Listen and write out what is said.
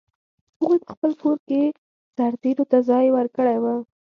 هغوی په خپل کور کې سرتېرو ته ځای ورکړی و.